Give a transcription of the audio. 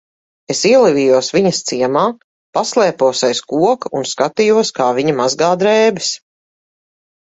Es ielavījos viņas ciemā, paslēpos aiz koka un skatījos, kā viņa mazgā drēbes.